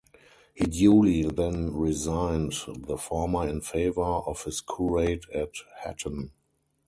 He duly then resigned the former in favour of his curate at Hatton.